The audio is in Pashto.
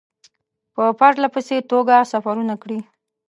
په پرله پسې توګه سفرونه کړي.